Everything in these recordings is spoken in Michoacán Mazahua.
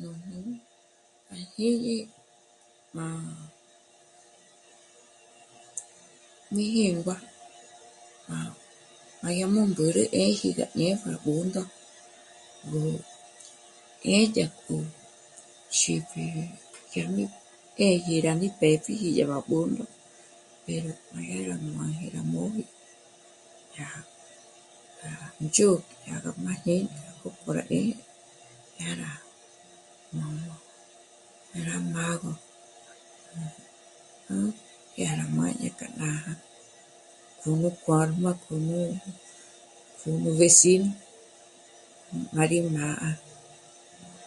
Nújnu à jñíñi má... mí jíngua, má yá mú ngǚrü 'ë́ji gá ñé'e à Bṓndo, gó, 'é dyá' k'o xípji yá mí pédye yá rí pë́pjiji yá mâ'a à Bṓndo, pero má yá nguáji para móji yá ndzhô'o yá gá mâ'a 'ī́jī k'a gó dyá rá mā̀mā̀, dyá rá mâgö, nú..., dyá rá mâña k'a nája kö̌m'u kjuám'a, kö̌m'u, kö̌m'u ngés'i, má rí mâ'a,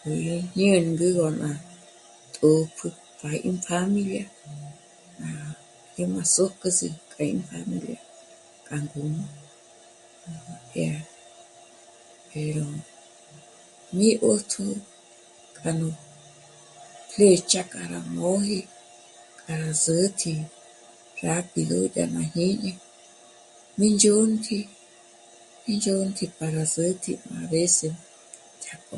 k'o yó ñêngü ngó ná... rá tòpjü para ín pjámilia í má zòk'üzü k'a ín pjámilia k'a ngǔm'ü. Yá..., pero..., mí 'ṓjtjō k'a nú flécha k'a rá móji, k'a rá së̌tji rápido yá nà'a à jñíñi. Mí ndzhûnk'i, mí ndzhûnk'i para sä̀tji a veces dyájk'o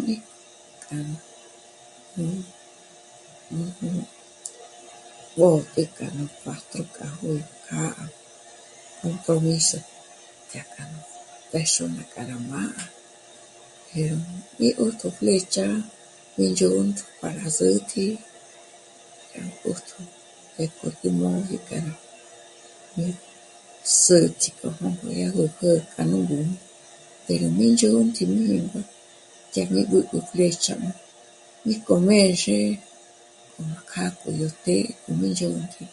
mí kjâ'a compromiso mí kjâra mbéjchjun'ü para gá... ts'ík'i zûtji yá rá mbä̌ji k'o yó ndä̂jnäji, ngé rá móji xôm'ü, rá móji xôm'ü rá má..., para sä̌tji k'o yó ndä̂jnä má yá rá jyâs'ü rá péngua k'a ná jó'o mbéjch'un'ü o nú ts'íb'éjchjun'ü, e ts'íngòni ná'a ngo rá jmâ'a para mâ'a k'a nú ngǔm'ü nú mbéjchujn'ü, s..., gá má të́'ë́ k'o yó, yó, para rá má pótjü k'a nú níts'im'i, k'a nú, nújnù mbǒk'ü k'a nú pájtü k'a jó'o k'â'a compromíso dyá k'a nú persona k'a rá mâ'a, pero mí 'ṓjtjō flécha mí ndzhônt'ü para sä̌tji yá mbṓjtjō pjék'o gí móji k'a nú, nú sä̌tji k'o júm'i dyá rú jä̀'ä k'a nú ngǔm'ü, pero mí ndzhônt'i mí jíngua dyá mí b'ǚb'ü flécha, mí k'o mbênxe nú k'a kjâ'a k'o yó të́'ë k'o mí ndzhônt'i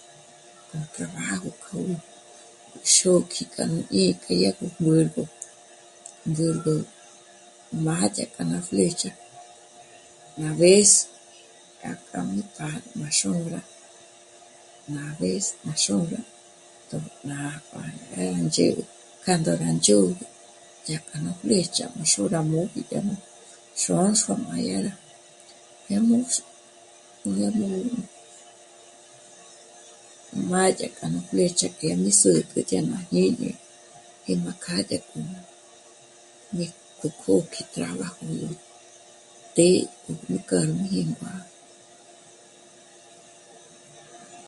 k'o trabajo k'a gú xôk'i k'a nú 'í'i k'e dyá gó mǚrgo, mǚrgo má dyá k'a ná flécha. Ná vez dyá kja mí kjâ'a má xôra, ná vez ná xôrütjo ná..., má ndzhä̌'ä k'a ndóra ndzhä̌'ä dyájkja nú flécha mí xô'o rá móji yá nú Xônxua má dyá rá, yá nú pjü..., yá nú má dyá k'a nú flécha k'a mí sä̀t'ä dyá mâ'a à jñíñi, í má kjâ'a dyá k'o mí k'o, k'ô'oki trabajo, të́'ë k'o mí kä̌rnäji nú mâ'a...